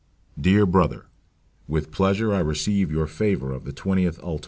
Dear Brother, "With pleasure I receive your favor of the 20th ult.